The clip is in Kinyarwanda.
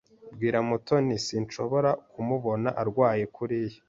Bwira Mutoni sinshobora kumubona arwaye kuriya.